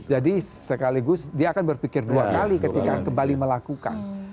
jadi sekaligus dia akan berpikir dua kali ketika kembali melakukan